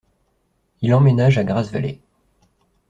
Il emménage à Grass Valley.